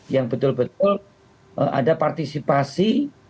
yang betul betul ada partisipasi